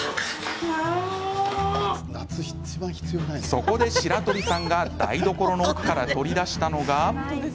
そこで白鳥さんが台所の奥から取り出したのが。